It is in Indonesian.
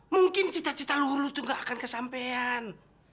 mungkin cita cita luhur lo tuh nggak akan kesampean